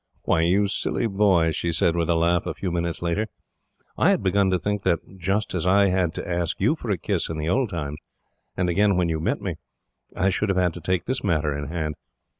"Why, you silly boy," she said, with a laugh, a few minutes later, "I had begun to think that, just as I had to ask you for a kiss in the old times, and again when you met me, I should have to take this matter in hand.